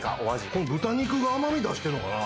この豚肉が甘み出してんのかな？